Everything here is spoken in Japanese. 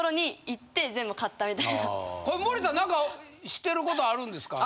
森田何か知ってることあるんですか。